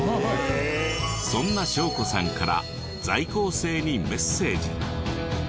そんな晶子さんから在校生にメッセージ。